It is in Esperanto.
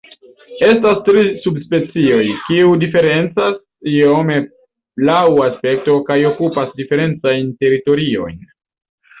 Estas tri subspecioj, kiu diferencas iome laŭ aspekto kaj okupas diferencajn teritoriojn.